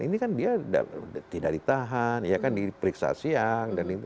ini kan dia tidak ditahan dia kan diperiksa siang